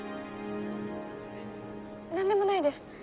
何でもないです・・